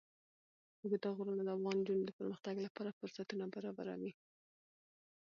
اوږده غرونه د افغان نجونو د پرمختګ لپاره فرصتونه برابروي.